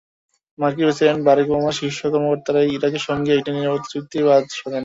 মার্কিন president Barack ওবামার শীর্ষ কর্মকর্তারাই ইরাকের সঙ্গে একটি নিরাপত্তা চুক্তিতে বাদ সাধেন।